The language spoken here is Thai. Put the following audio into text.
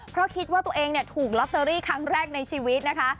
เพราะคิดว่าตัวเองถูกลอตเตอรี่ครั้งแรกในชีวิตนะคะ